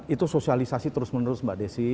itu sosialisasi terus menerus mbak desi